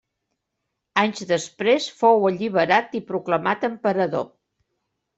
Anys després fou alliberat i proclamat emperador.